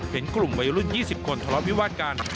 เห็นกลุ่มวัยรุ่น๒๐คนทะเลาะวิวาดกัน